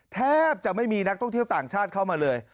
แทบจะไม่มีนักท่องเที่ยวต่างชาติเข้ามาเลย